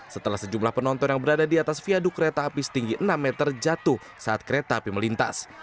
setelah sejumlah penonton yang berada di atas viaduk kereta api setinggi enam meter jatuh saat kereta api melintas